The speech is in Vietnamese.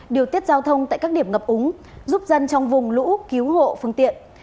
điều tiết giao thông tại các điểm ngập úng giúp dân trong vùng lũ cứu hộ phương tiện